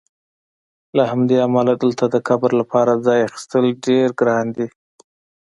له همدې امله دلته د قبر لپاره ځای اخیستل ډېر ګران دي.